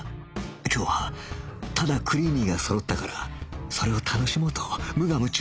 今日はただクリーミーがそろったからそれを楽しもうと無我夢中で食べた